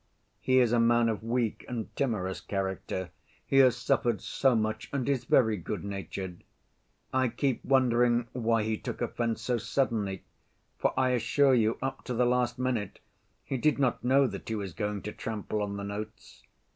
He is a man of weak and timorous character; he has suffered so much and is very good‐natured. I keep wondering why he took offense so suddenly, for I assure you, up to the last minute, he did not know that he was going to trample on the notes.